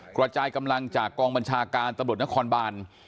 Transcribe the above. กระจายกำลังจากกองบัญชาการตำรวจนครบาน